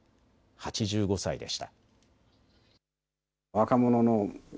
８５歳でした。